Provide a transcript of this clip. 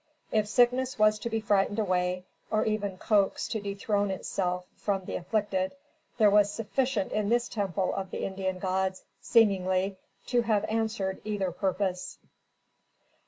If sickness was to be frightened away, or even coaxed to dethrone itself from the afflicted, there was sufficient in this temple of the Indian gods, seemingly, to have answered either purpose.